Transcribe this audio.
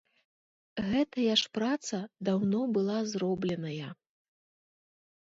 Гэтая ж праца даўно была зробленая.